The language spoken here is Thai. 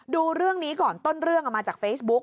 ดูเรื่องนี้ก่อนต้นเรื่องเอามาจากเฟซบุ๊ก